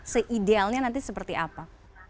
seidealnya nanti seperti apa